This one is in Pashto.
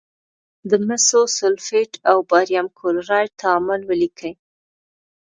د مسو سلفیټ او باریم کلورایډ تعامل ولیکئ.